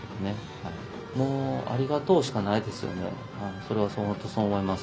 それは本当そう思います。